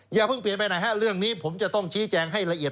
อย่าเพิ่งเปลี่ยนไปไหนฮะเรื่องนี้ผมจะต้องชี้แจงให้ละเอียด